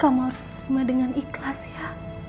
kamu harus terima dengan ikhlas ya